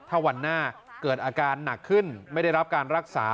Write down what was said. ถ้าวันหน้าเกิดอาการหนักขึ้นไม่ได้รับการรักษา